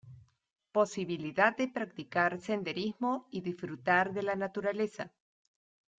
Posibilidad de practicar senderismo y disfrutar de la naturaleza.